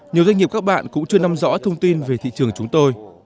nhiều doanh nghiệp các bạn cũng chưa nắm rõ thông tin về thị trường chúng tôi